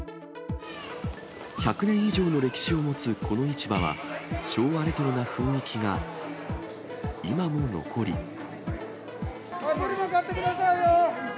１００年以上の歴史を持つこの市場は、昭和レトロな雰囲気が今もブリも買ってくださいよ！